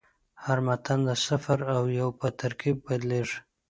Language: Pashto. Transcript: هر متن د صفر او یو په ترکیب بدلېږي.